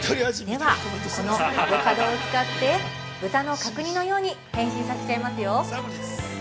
では、このアボカドを使って豚の角煮のように変身させちゃいますよ。